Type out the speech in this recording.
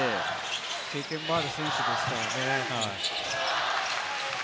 経験もある選手ですからね。